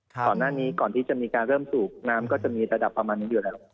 ก่อนหน้านี้ก่อนที่จะมีการเริ่มสูบน้ำก็จะมีระดับประมาณนี้อยู่แล้ว